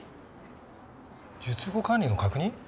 術後管理の確認？